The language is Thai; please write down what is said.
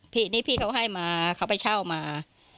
พี่เขาให้มาเขาไปเช่ามา